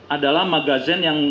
adalah magazen yang